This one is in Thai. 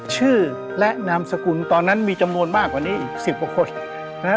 ชื่อและนามสกุลตอนนั้นมีจำนวนมากกว่านี้อีก๑๐กว่าคนนะฮะ